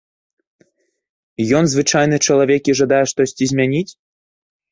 Ён звычайны чалавек і жадае штосьці змяніць?